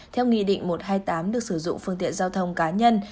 theo nghị định một trăm hai mươi tám được sử dụng phương tiện giao thông cá nhân